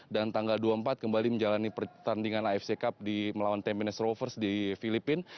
dan tanggal dua puluh empat kembali menjalani pertandingan afc cup melawan tampines rovers di filipin